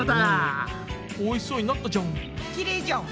おいしそうになったじゃん。